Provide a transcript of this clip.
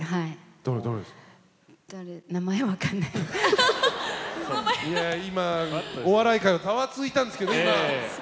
いや今お笑い界がざわついたんですけど今。